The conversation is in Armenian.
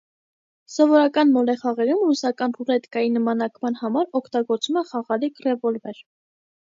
Սովորական մոլեխաղերում ռուսական ռուլետկայի նմանակման համար օգտագործվում է խաղալիք ռևոլվեր։